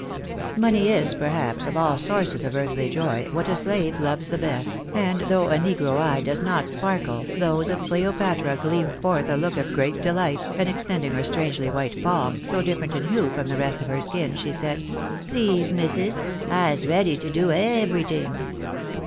Money is, perhaps, of all sources of earthly joy, what a slave loves the best, and though a negro eye does not sparkle, those of Cleopatra gleamed forth a look of great delight, and extending her strangely white palm, so different in hue from the rest of her skin, she said —" Please, missis, I'se ready to do ebery ting."